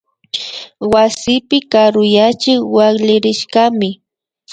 Wasipi karuyachik wakllirishkami